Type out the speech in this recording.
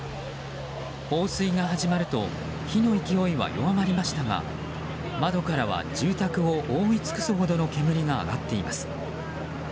放水が始まると火の勢いは弱まりましたが窓からは住宅を覆い尽くすほどの煙が上がっています。